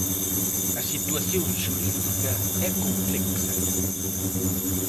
A situación xurídica e complexa.